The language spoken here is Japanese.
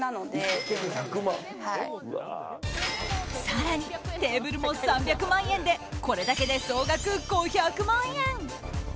更に、テーブルも３００万円でこれだけで総額５００万円。